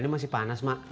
masih panas mak